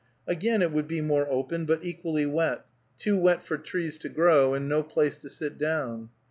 Again it would be more open, but equally wet, too wet for trees to grow, and no place to sit down.